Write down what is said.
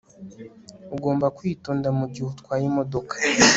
Ugomba kwitonda mugihe utwaye imodoka